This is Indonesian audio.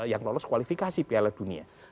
yang lolos kualifikasi piala dunia